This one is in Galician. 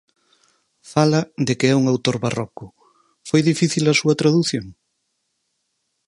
Fala de que é un autor barroco, foi difícil a súa tradución?